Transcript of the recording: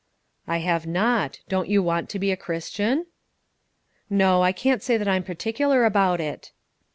"I have not. Don't you want to be a Christian?" "No; I can't say that I'm particular about it."